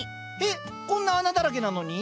えっこんな穴だらけなのに？